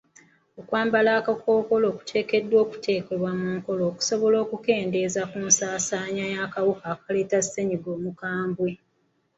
Okwambala akakkookolo kuteekeddwa okussibwa mu nkola okusobola okukendeeza ku nsaasaana y'akawuka akaleeta ssennyiga omukambwe.